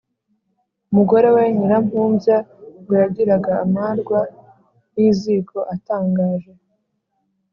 mugore we, Nyirampumbya ngo yagiraga amarwa y’iziko atangaje.